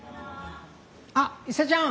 あっ伊勢ちゃん。